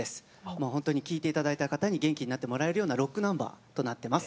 もうほんとに聴いて頂いた方に元気になってもらえるようなロックナンバーとなってます。